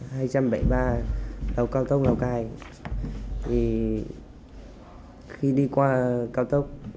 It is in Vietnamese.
khi đi qua lào cao tốc khi đi qua lào cai